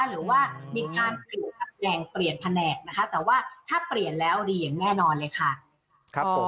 หรือว่ามีการแหล่งเปลี่ยนแผนกนะคะแต่ว่าถ้าเปลี่ยนแล้วดีอย่างแน่นอนเลยค่ะ